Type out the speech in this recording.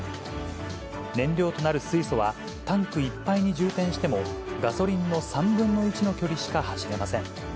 燃料となる水素は、タンクいっぱいに充填しても、ガソリンの３分の１の距離しか走れません。